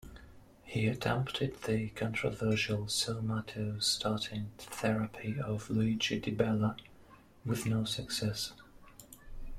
He attempted the controversial somatostatin therapy of Luigi Di Bella, with no success.